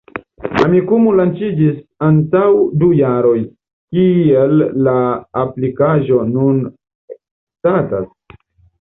Amikumu lanĉiĝis antaŭ du jaroj, kiel la aplikaĵo nun statas?